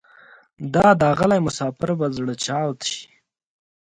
دا داغلی مسافر به زره چاود شي